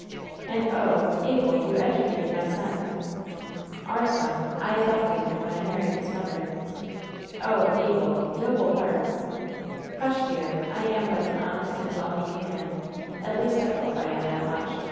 "And oh! Abel, you educated my son!" "Our son. I adopted him when I married his mother." "Oh, Abel ! Noble heart !" "Hush, dear, I am but an honest and well meaning man. At least I hope I am that much.